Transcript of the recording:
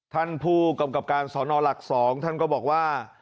ท่านผู้กำกับการสอนอหลัก๒ท่านก็บอกว่า